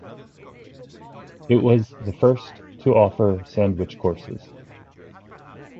It was the first to offer sandwich courses.